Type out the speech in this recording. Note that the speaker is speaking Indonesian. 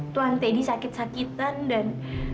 tuan teddy sakit sakitan dan